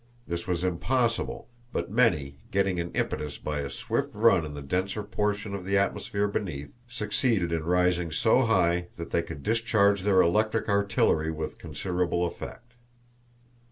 This was impossible, but many, getting an impetus by a swift run in the denser portion of the atmosphere beneath, succeeded in rising so high that they could discharge their electric artillery with considerable effect.